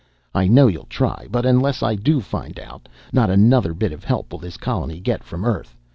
I know ye'll try! But unless I do find out not another bit of help will this colony get from Earth!